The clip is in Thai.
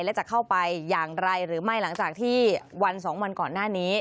และจะเข้าไปอย่างไรหรือไม่หลังจากที่วันสองวันก่อนหน้านี้